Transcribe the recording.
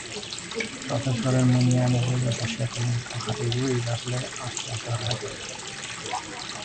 Prozesuaren muinean eredu sozioekonomikoa jarri du idazle asteasuarrak ere.